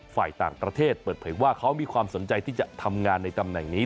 ฝ่ายต่างประเทศเปิดเผยว่าเขามีความสนใจที่จะทำงานในตำแหน่งนี้